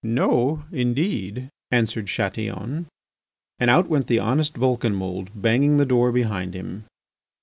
"No, indeed," answered Chatillon. And out went the honest Vulcanmould, banging the door behind him.